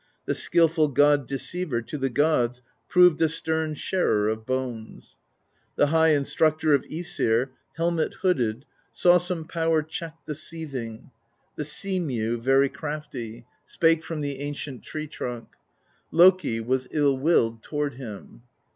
The skilful god deceiver To the gods proved a stern sharer Of bones: the high Instructor Of ^sir, helmet hooded. Saw some power checked the seething; The sea mew, very crafty, THE POESY OF SKALDS 131 Spake from the ancient tree trunk; Loki was ill willed toward him.